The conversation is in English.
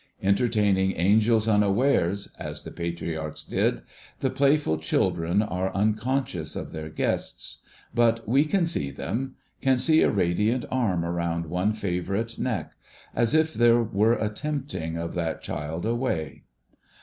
Entertaining angels unawares, as the Patriarchs did, the playful children are uncon scious of their guests ; but we can see them — can see a radiant arm around one favourite neck, as if there were a tempting of that child away.